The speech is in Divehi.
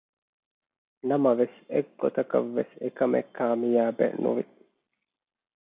ނަމަވެސް އެއްގޮތަކަށްވެސް އެކަމެއް ކާމިޔާބެއް ނުވި